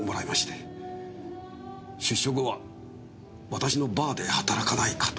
出所後は私のバーで働かないかと。